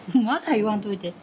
言わんといて。